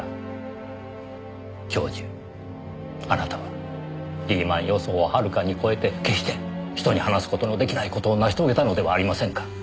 教授あなたはリーマン予想をはるかに超えて決して人に話す事の出来ない事を成し遂げたのではありませんか？